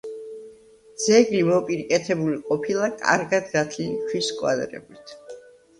ძეგლი მოპირკეთებული ყოფილა კარგად გათლილი ქვის კვადრებით.